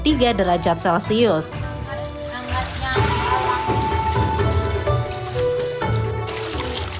di padusan pacet mojokerto di padusan pacet mojokerto